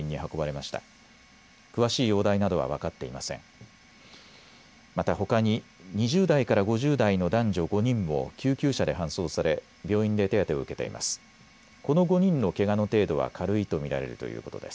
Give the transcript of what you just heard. また、ほかに２０代から５０代の男女５人も救急車で搬送され病院で手当てを受けています。